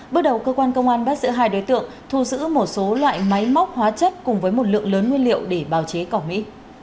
bước đầu cơ quan công an bắt giữ hai đối tượng thu giữ một số loại máy móc hóa chất cùng với một lượng lớn nguyên liệu để bào chế cỏ mỹ